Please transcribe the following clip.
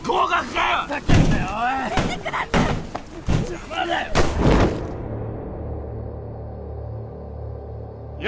邪魔だよ！